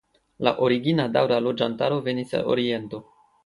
La origina daŭra loĝantaro venis el oriento.